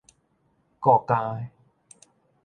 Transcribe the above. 顧監的